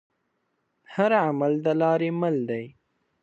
هر عمل دلارې مل دی.